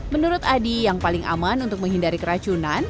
menurut adi yang paling aman untuk menghindari keracunan